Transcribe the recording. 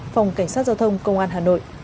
phòng cảnh sát giao thông công an hà nội